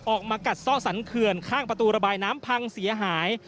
มากัดซ่อสรรเขื่อนข้างประตูระบายน้ำพังเสียหาย